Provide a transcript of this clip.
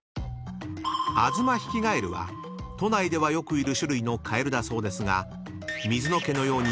［アズマヒキガエルは都内ではよくいる種類のカエルだそうですが水野家のように］